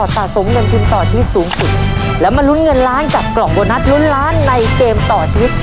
สะสมเงินทุนต่อชีวิตสูงสุดแล้วมาลุ้นเงินล้านจากกล่องโบนัสลุ้นล้านในเกมต่อชีวิต